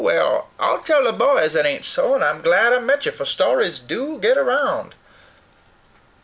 Well, I'll tell the boys it ain't so, and I'm glad I met you, for stories DO get round."